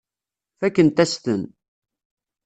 Fakkent-as-ten.